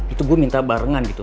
itu gue minta barengan gitu